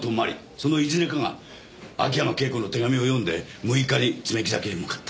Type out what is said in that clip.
そのいずれかが秋山圭子の手紙を読んで６日に爪木崎へ向かった。